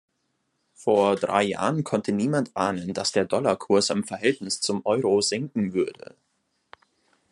Vor drei Jahren konnte niemand ahnen, dass der Dollarkurs im Verhältnis zum Euro sinken würde.